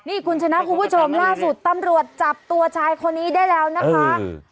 นี่คุณชนะคุณผู้ชมล่าสุดตำรวจจับตัวชายคนนี้ได้แล้วนะคะ